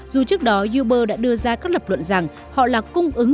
dù trước đó uber đã đưa ra các lập luận rằng họ là cung ứng